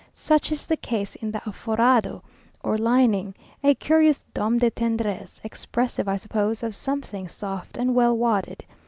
Such is the case in the Aforrado or Lining, a curious nom de tendresse, expressive, I suppose, of something soft and well wadded.